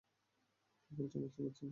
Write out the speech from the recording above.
কী বলছ বুঝতে পারছি না।